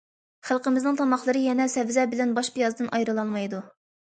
خەلقىمىزنىڭ تاماقلىرى يەنە سەۋزە بىلەن باش پىيازدىن ئايرىلالمايدۇ.